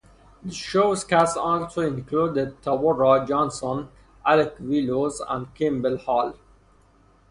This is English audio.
The show's cast also included Taborah Johnson, Alec Willows and Kimble Hall.